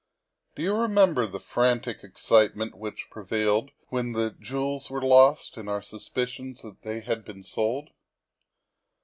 Do you remember the frantic excitement which prevailed when the jewels were lost and our suspicions that they iiad been sold?